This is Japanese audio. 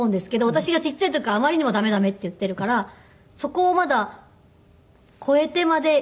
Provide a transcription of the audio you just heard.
私がちっちゃい時からあまりにも駄目駄目って言っているからそこをまだ越えてまでっていう感じではなさそう。